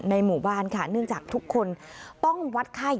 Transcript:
หมู่บ้านค่ะเนื่องจากทุกคนต้องวัดไข้